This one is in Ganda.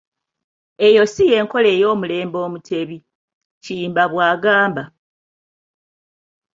"Eyo ssi y'enkola ey'omulembe Omutebi,” Kiyimba bw'agambye.